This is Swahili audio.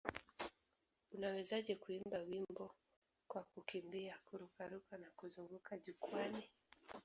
Unawezaje kuimba wimbo kwa kukimbia, kururuka na kuzunguka jukwaani?